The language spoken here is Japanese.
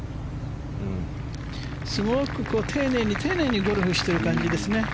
すごく丁寧に丁寧にゴルフしている感じですね。